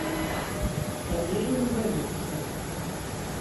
Цяпер ён у бальніцы.